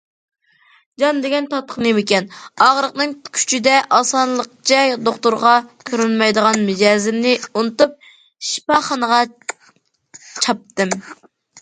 جان دېگەن تاتلىق نېمىكەن، ئاغرىقنىڭ كۈچىدە ئاسانلىقچە دوختۇرغا كۆرۈنمەيدىغان مىجەزىمنى ئۇنتۇپ، شىپاخانىغا چاپتىم.